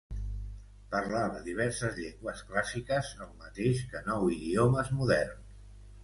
Parlava diverses llengües clàssiques el mateix que nou idiomes moderns.